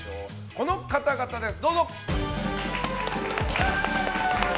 この方々です。